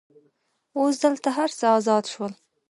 اوس دلته هر څه آزاد شول.